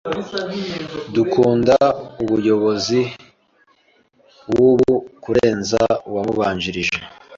Dukunda umuyobozi wubu kurenza uwamubanjirije.